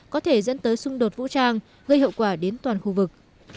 có thể dẫn tới xung đột vũ trang gây hậu quả đến toàn khu vực